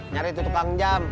nyari tutup pangjam